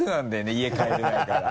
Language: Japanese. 家帰れないから。